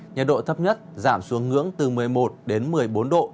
nhiệt độ thấp nhất giảm xuống ngưỡng từ một mươi một đến một mươi bốn độ